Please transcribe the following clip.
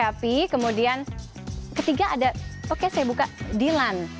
tapi kemudian ketiga ada oke saya buka dilan